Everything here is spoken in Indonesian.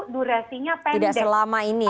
durasinya pendek tidak selama ini ya